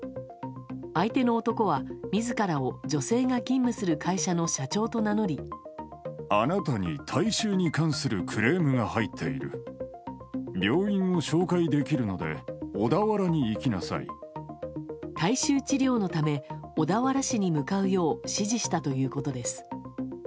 相手の男は自らを、女性が勤務する会社の社長と名乗り体臭治療のため小田原市に向かうよう指示したということです。